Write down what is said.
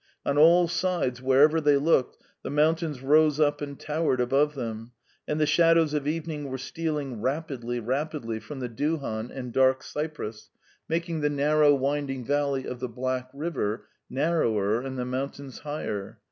On all sides wherever they looked, the mountains rose up and towered above them, and the shadows of evening were stealing rapidly, rapidly from the duhan and dark cypress, making the narrow winding valley of the Black River narrower and the mountains higher.